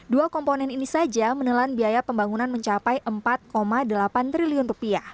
dua komponen ini saja menelan biaya pembangunan mencapai rp empat delapan triliun